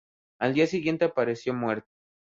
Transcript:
Al día siguiente apareció muerto